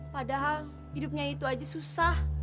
padahal hidupnya itu aja susah